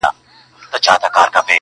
هغه کيسې د چڼچڼيو د وژلو کړلې-